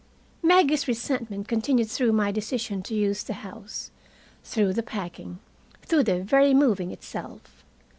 Maggie's resentment continued through my decision to use the house, through the packing, through the very moving itself.